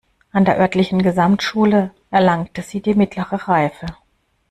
An der örtlichen Gesamtschule erlangte sie die mittlere Reife.